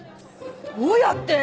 どうやって？